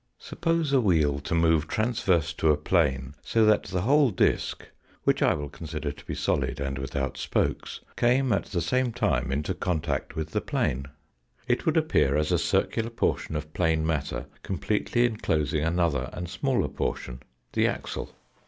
Suppose a wheel to move transverse to a plane, so that the whole disk, which I will consider to be solid and without spokes, came at the same time into contact with the plane. It would appear as a circular portion of plane matter completely enclosing another and smaller portion the axle.